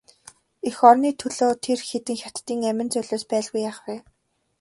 Эх орны төлөө тэр хэдэн хятадын амин золиос байлгүй яах вэ?